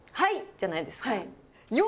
じゃないですか。